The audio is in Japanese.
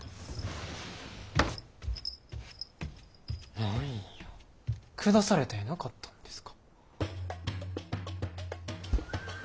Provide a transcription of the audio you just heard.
何や下されたんやなかったんですか？